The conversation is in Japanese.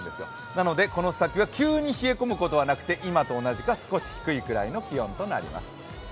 なのでこの先は急に冷え込むことはなくて今と同じか少し低いぐらいの気温になります。